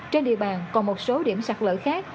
trên địa bàn còn một số điểm sạt lở khác